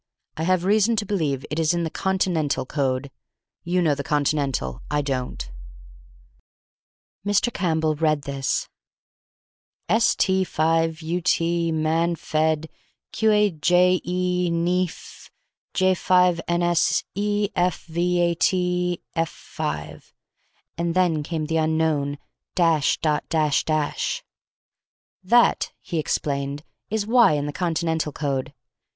"I have reason to believe it is in the Continental code. You know the Continental I don't." Mr. Campbell read this: "St5ut man fed qaje neaf j5nsefvat5f," and then came the unknown, dash dot dash dash. "That," he explained, "is Y in the Continental code."